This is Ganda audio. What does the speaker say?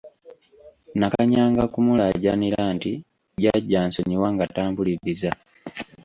Nakanyanga kumulaajanira nti Jjajja nsonyiwa nga tampuliriza.